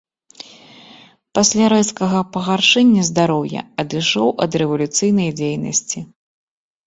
Пасля рэзкага пагаршэння здароўя адышоў ад рэвалюцыйнай дзейнасці.